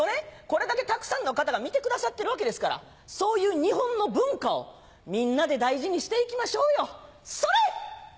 これだけたくさんの方が見てくださってるわけですからそういう日本の文化をみんなで大事にして行きましょうよ。それ！